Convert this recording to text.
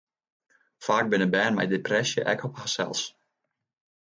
Faak binne bern mei depresje ek op harsels.